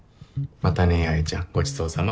またね八重ちゃんごちそうさま。